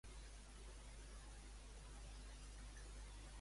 És urgent; pots trucar a l'avi Pío i a l'àvia Mery?